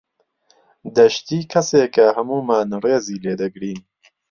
دەشتی کەسێکە هەموومان ڕێزی لێ دەگرین.